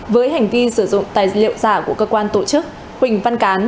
với hành vi sử dụng tài liệu giả của cơ quan tổ chức huỳnh văn cán